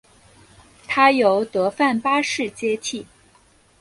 他由德范八世接替。